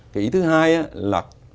cái ý thứ hai là